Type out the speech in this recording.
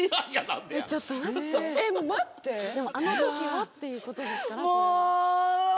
ちょっと待ってでも「あの時は」っていうことですから。